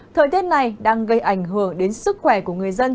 thời tiết này đang gây ảnh hưởng đến sức khỏe của người dân